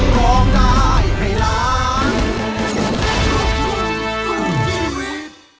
ร้องได้ให้ล้าน